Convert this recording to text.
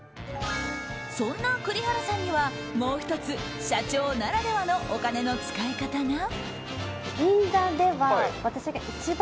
そんな栗原さんには、もう１つ社長ならではのお金の使い方が。